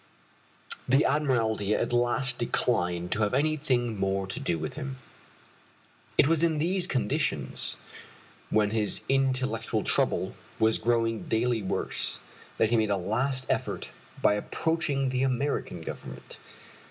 The Admiralty at last declined to have anything more to do with him. It was in these conditions, when his intellectual trouble was growing daily worse, that he made a last effort by approaching the American Government.